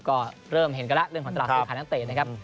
ก็เริ่มเห็นกันแล้วเรื่องของตลาดซื้อขายนักเตะนะครับ